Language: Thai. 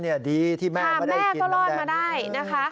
แล้วดีที่แม่ไม่ได้กินน้ำแดง